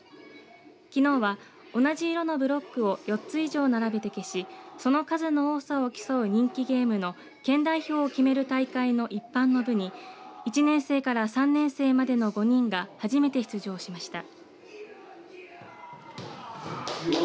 きのうは同じ色のブロックを４つ以上、並べて消しその数の多さを競う人気ゲームの県代表を決める大会の一般の部に１年生から３年生までの５人が初めて出場しました。